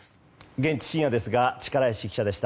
現地、深夜ですが力石記者でした。